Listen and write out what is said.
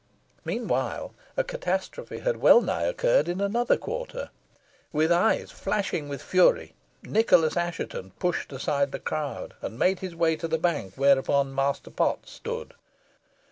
Meanwhile, a catastrophe had wellnigh occurred in another quarter. With eyes flashing with fury, Nicholas Assheton pushed aside the crowd, and made his way to the bank whereon Master Potts stood.